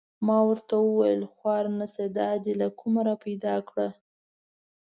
ما ورته و ویل: خوار نه شې دا دې له کومه را پیدا کړه؟